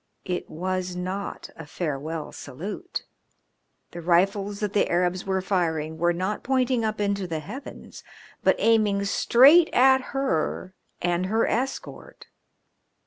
It was not a farewell salute. The rifles that the Arabs were firing were not pointing up into the heavens, but aiming straight at her and her escort.